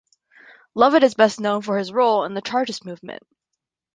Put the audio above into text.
Lovett is best known for his role in the Chartist movement.